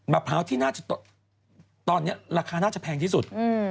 พร้าวที่น่าจะตอนนี้ราคาน่าจะแพงที่สุด